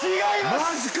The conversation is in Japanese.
マジか！